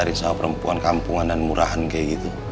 habis tarik sama perempuan kampungan dan murahan kayak gitu